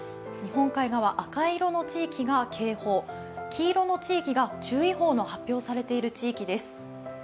日本海側、赤色の地域が警報、黄色いの地域が注意報の発表されている地域です。